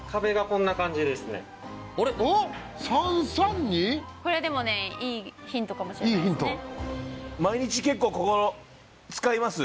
これでもねいいヒントかもしれないですね。